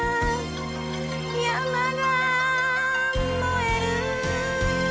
山が燃える